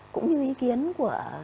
cũng như ý kiến của